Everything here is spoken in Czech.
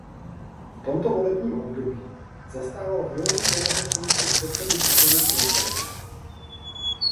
V tomto volebním období zastával v dolní komoře funkci předsedy výboru pro zdravotnictví.